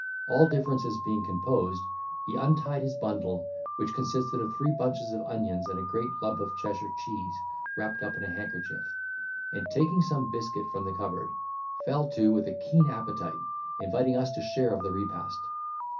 All differences being composed, he untied his bundle, which consisted of three bunches of onions, and a great lump of Cheshire cheese, wrapped up in a handkerchief: and, taking some biscuit from the cupboard, fell to with a keen appetite, inviting us to share of the repast.